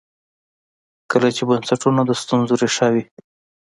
کله چې بنسټونه د ستونزې ریښه وي.